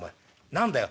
何だよ」。